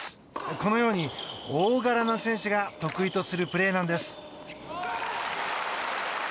このように大柄な選手が得意とするプレーなんです。